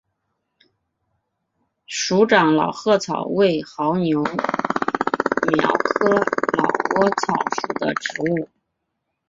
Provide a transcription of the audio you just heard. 鼠掌老鹳草为牻牛儿苗科老鹳草属的植物。